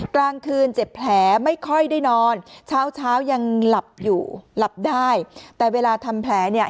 กลางคืนเจ็บแผลไม่ค่อยได้นอนเช้าเช้ายังหลับอยู่หลับได้แต่เวลาทำแผลเนี่ย